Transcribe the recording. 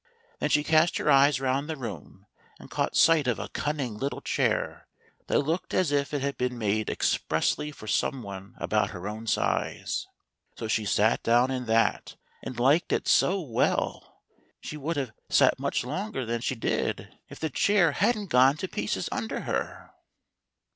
Then she cast her eyes round the room, and caught sight of a cunning little chair that looked as if it had been made expressly for some one about her own size. So she sat down in that, and liked it so well, she would have sat much longer than she did if the chair hadn't & gone to pieces under her. She in THE THREE BEARS.